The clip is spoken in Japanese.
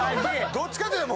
どっちかというと。